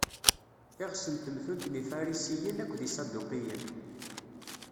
Iɣes n temtunt n Ifarisiyen akked Iṣaduqiyen.